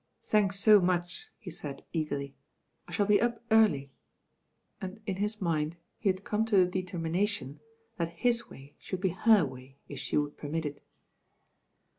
"Thanks so much," he said eagerly. "I shall be up early," and in his mind he had come to the de termination that his way should be her way if she would permit it.